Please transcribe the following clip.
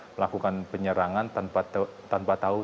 melakukan penyerangan tanpa tahu